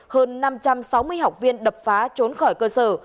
hơn năm trăm sáu mươi học viên đập phá trốn khỏi cơ sở